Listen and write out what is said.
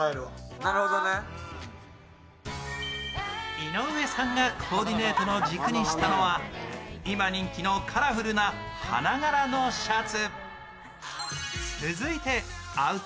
井上さんがコーディネートの軸にしたのは今人気のカラフルな花柄のシャツ。